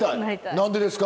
何でですか？